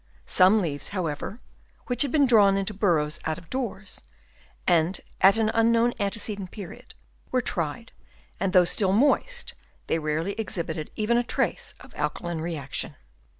Some leaves, however, which had been drawn into burrows out of doors, at an unknown antecedent period, were tried, and though still moist, they rarely exhibited even a trace of alkaline reaction.